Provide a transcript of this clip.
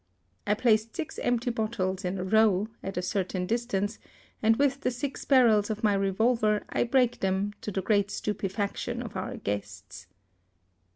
I placed six empty bottles in a row, at a certain distance, and with the six barrels of my revolver I break them, to the great stupefaction of our guests.